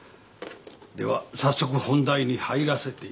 では早速本題に入らせていただきます。